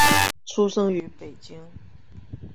出生于北京。